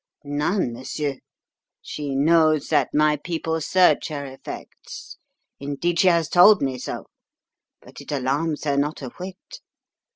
"None, monsieur. She knows that my people search her effects; indeed, she has told me so. But it alarms her not a whit.